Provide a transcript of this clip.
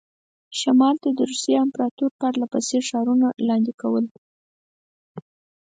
شمال ته د روسیې امپراطوري پرله پسې ښارونه لاندې کول.